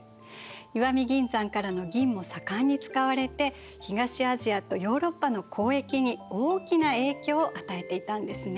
石見銀山からの銀も盛んに使われて東アジアとヨーロッパの交易に大きな影響を与えていたんですね。